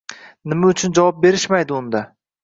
Nima uchun javob berishmaydi unda?